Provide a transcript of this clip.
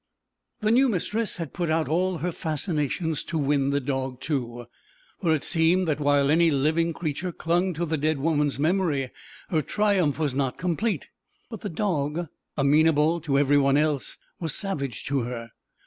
The new mistress had put out all her fascinations to win the dog too, for it seemed that while any living creature clung to the dead woman's memory her triumph was not complete. But the dog, amenable to every one else, was savage to her.